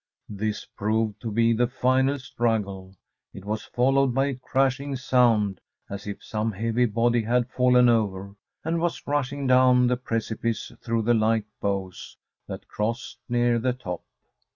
This proved to be the final struggle; it was followed by a crashing sound as if some heavy body had fallen over, and was rushing down the precipice through the light boughs that crossed near the top.